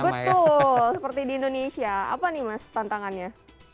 betul seperti di indonesia apa nih mas tantangannya